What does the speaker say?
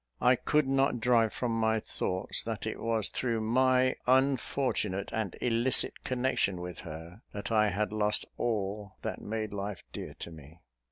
I could not drive from my thoughts, that it was through my unfortunate and illicit connection with her that I had lost all that made life dear to me.